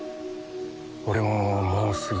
俺ももうすぐ。